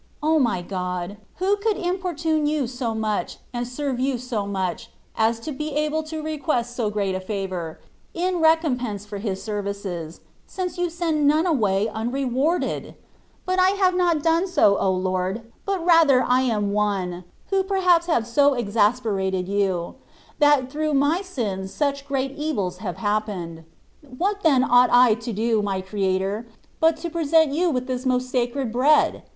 O my God ! who could importune You so much, and serve you so much, as to be able to request so great a favour, in recompense for His services, since You send none away unrewarded ! But I have not done so, O Lord ! but rather I am one, who perhaps have so exasperated You, that through my sins such great evils have happened.f What then ought I to do, my Creator ! but to present You with this most Sacred Bread